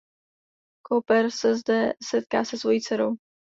Cooper se zde setká se svojí dcerou.